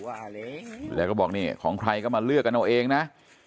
แล้วก็บอกนี่ของใครก็มาเลือกกันเอาเองนะ